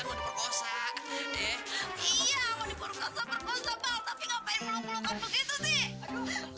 iya mau diperlukan sabar sabar tapi ngapain meluk melukkan begitu sih